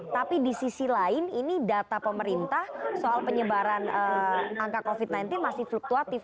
tapi di sisi lain ini data pemerintah soal penyebaran angka covid sembilan belas masih fluktuatif